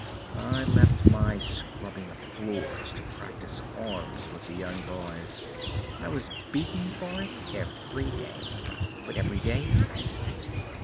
I left my scrubbing of floors to practice arms with the young boys. I was beaten for it every day, but every day I went.